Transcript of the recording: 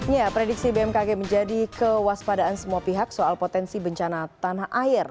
ya prediksi bmkg menjadi kewaspadaan semua pihak soal potensi bencana tanah air